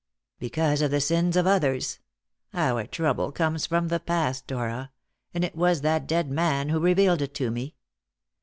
"Because of the sins of others. Our trouble comes from the past, Dora, and it was that dead man who revealed it to me.